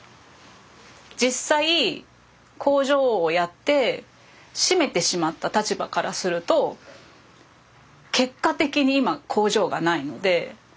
実際工場をやって閉めてしまった立場からすると結果的に今工場がないので。